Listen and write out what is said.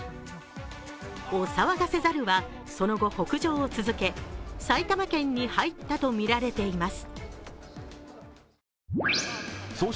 お騒がせ猿はその後、北上を続け、埼玉県に入ったとみられています。